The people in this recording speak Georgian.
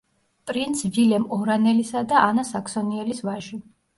პრინც ვილემ ორანელისა და ანა საქსონიელის ვაჟი.